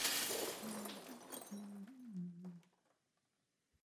Jeho smrtí Osmanská říše začala opět pomalu upadat.